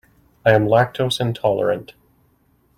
I am lactose intolerant.